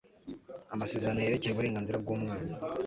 amasezerano yerekeye uburenganzira bw'umwana